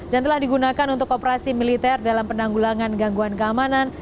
dan telah digunakan untuk operasi militer dalam penanggulangan gangguan keamanan